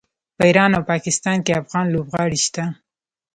په ایران او پاکستان کې افغان لوبغاړي شته.